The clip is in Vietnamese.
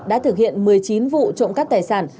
đã thực hiện một mươi chín vụ trộm cắp tài sản